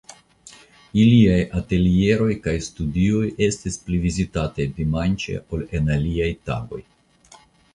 Iliaj atelieroj kaj studioj estis pli vizitataj dimanĉe ol en aliaj tagoj.